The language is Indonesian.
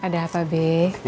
ada apa be